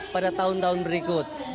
pada tahun tahun berikut